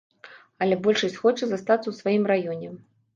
Але большасць хоча застацца ў сваім раёне.